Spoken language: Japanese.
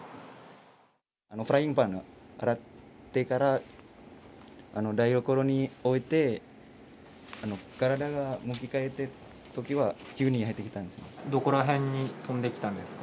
フライパン洗ってから台所に置いて、体の向き変えたときに、急に入ってきたんです。